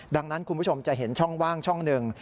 ดังนั้นคุณผู้ชมจะเห็นช่องว่างช่องหนึ่ง